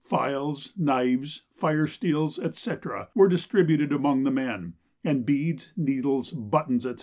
Files, knives, fire steels, &c. were distributed among the men, and beads, needles, buttons, &c.